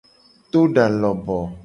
To da loboo.